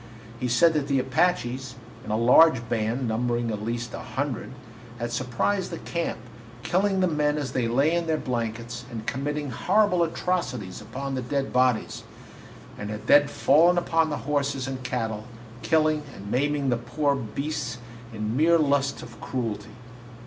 He said that the Apaches, in a large band, numbering at least a hundred, had surprised the camp, killing the men as they lay in their blankets and committing horrible atrocities upon the dead bodies, and had then fallen upon the horses and cattle, killing and maiming the poor beasts in mere lust of cruelty.